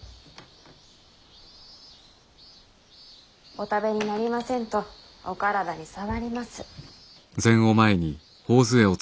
お食べになりませんとお体に障ります。